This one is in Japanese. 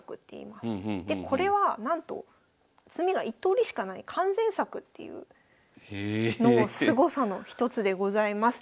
でこれはなんと詰みが１とおりしかない完全作っていうのもすごさの一つでございます。